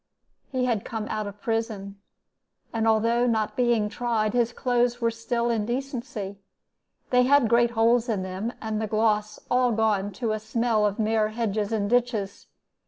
"He had come out of prison; and although not being tried, his clothes were still in decency, they had great holes in them, and the gloss all gone to a smell of mere hedges and ditches.